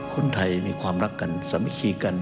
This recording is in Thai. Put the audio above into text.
คนไทยมีความรักกันสามัคคีกัน